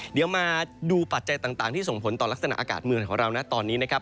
เดี๋ยวมาดูปัจจัยต่างที่ส่งผลต่อลักษณะอากาศเมืองของเรานะตอนนี้นะครับ